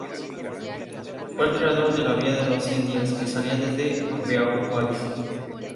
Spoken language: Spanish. Fue el creador la "vía de los cien días" que salía desde Beauvais.